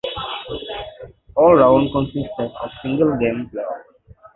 All rounds consisted of single game playoffs.